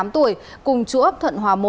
ba mươi tám tuổi cùng chủ ấp thuận hòa một